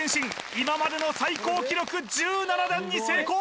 今までの最高記録１７段に成功